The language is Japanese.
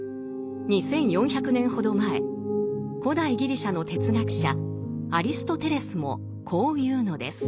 ２，４００年ほど前古代ギリシャの哲学者アリストテレスもこう言うのです。